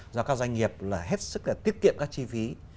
do các doanh nghiệp là hết sức là tiết kiệm các chi phí